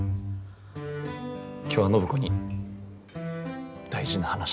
今日は暢子に大事な話が。